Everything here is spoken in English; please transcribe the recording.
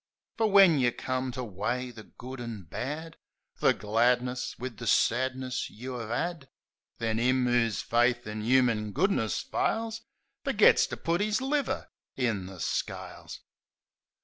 Fer when yeh've come to weigh the good an' bad — The gladness wiv the sadness you 'ave 'ad — Then 'im 'oo's faith in 'uman goodness fails Fergits to put 'is liver in the scales.